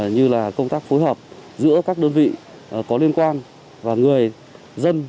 như là công tác phối hợp giữa các đơn vị có liên quan và người dân